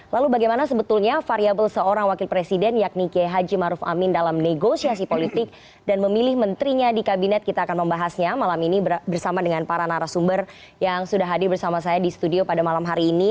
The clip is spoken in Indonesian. lalu bagaimana sebetulnya variable seorang wakil presiden yakni kiai haji maruf amin dalam negosiasi politik dan memilih menterinya di kabinet kita akan membahasnya malam ini bersama dengan para narasumber yang sudah hadir bersama saya di studio pada malam hari ini